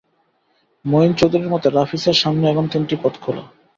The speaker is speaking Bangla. মঈন চৌধুরীর মতে, নাফিসের সামনে এখন তিনটি পথ খোলা।